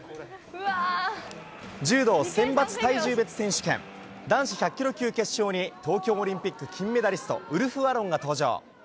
柔道選抜体重別選手権、男子１００キロ級決勝に、東京オリンピック金メダリスト、ウルフアロンが登場。